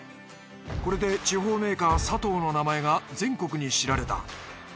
これで地方メーカーサトウの名前が全国に知られた。